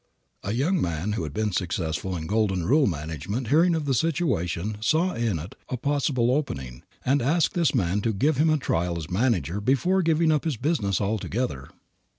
A young man who had been successful in Golden Rule management hearing of the situation saw in it a possible opening, and asked this man to give him a trial as manager before giving up his business altogether.